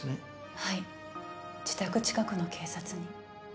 はい自宅近くの警察に。